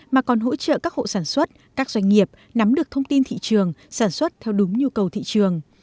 mà còn hỗ trợ các hộ sản xuất các doanh nghiệp nắm được thông tin thị trường sản xuất theo đúng nhu cầu thị trường